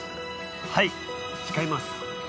はい誓います